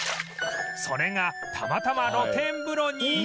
それがたまたま露天風呂に